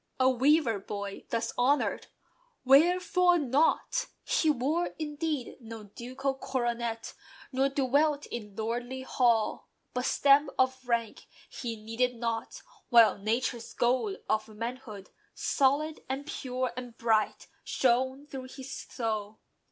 A "weaver boy" thus honoured! Wherefore not? He wore, indeed, no ducal coronet; Nor dwelt in lordly hall. But "stamp" of "rank" He needed not, while Nature's "gold" of manhood, Solid, and pure, and bright, shone through his soul.